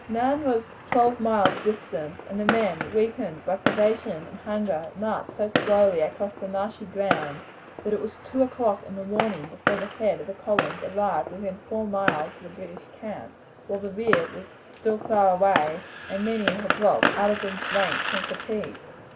Nairn was twelve miles distant, and the men, weakened by privation and hunger, marched so slowly across the marshy ground that it was two o'clock in the morning before the head of the columns arrived within four miles of the British camp, while the rear was still far away, and many had dropped out of the ranks from fatigue.